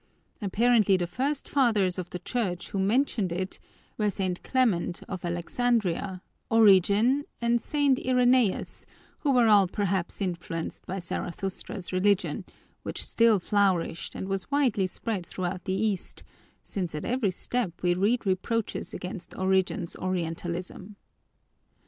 Apparently the first fathers of the Church who mentioned it were St. Clement of Alexandria, Origen, and St. Irenaeus, who were all perhaps influenced by Zarathustra's religion, which still flourished and was widely spread throughout the East, since at every step we read reproaches against Origen's Orientalism.